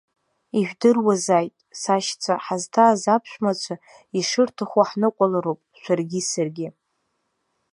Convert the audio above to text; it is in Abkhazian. Ижәдыруазааит, сашьцәа, ҳазҭааз аԥшәмацәа ишырҭаху ҳныҟәалароуп шәаргьы саргьы!